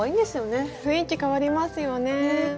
雰囲気変わりますよね。